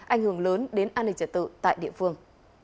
ảnh hưởng lớn đến an ninh trả tự tại địa phương